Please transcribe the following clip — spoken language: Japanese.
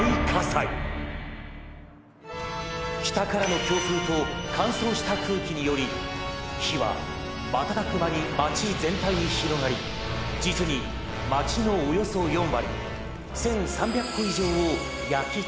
「北からの強風と乾燥した空気により火は瞬く間に町全体に広がり実に町のおよそ４割１，３００戸以上を焼き尽くしました。